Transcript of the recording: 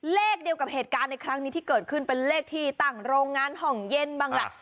เลขเดียวกับเหตุการณ์ในครั้งนี้ที่เกิดขึ้นเป็นเลขที่ตั้งโรงงานห้องเย็นบ้างแหละ